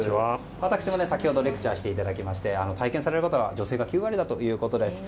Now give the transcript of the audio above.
私も先ほどレクチャーしていただきまして体験される方は女性が９割だということです。